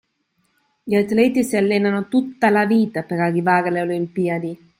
Gli atleti si allenano tutta la vita per arrivare alle Olimpiadi.